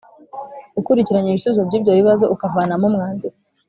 gukurikiranya ibisubizo by’ibyo bibazo ukavanamo umwandiko